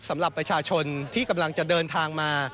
สำหรับประชาชนที่กำลังจะเดินทางมา